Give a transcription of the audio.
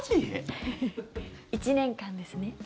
１年間ですね。